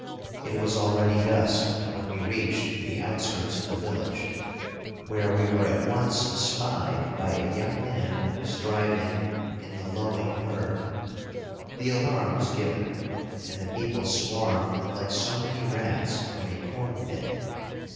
It was already dusk when we reached the outskirts of the village, where we were at once spied by a young man who was driving in the lowing herd. The alarm was given, and the people swarmed like so many rats from a corn bin.